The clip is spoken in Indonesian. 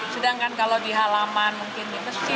sedangkan kalau di halaman mungkin